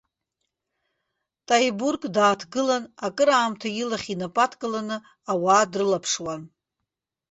Ҭаибург дааҭгылан акыраамҭа илахь инапы адкыланы ауаа дрылаԥшуан.